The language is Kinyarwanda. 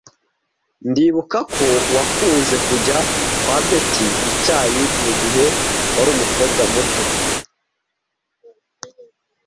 Ndibuka ko wakunze kujya kwa Betty icyayi mugihe wari umukobwa muto.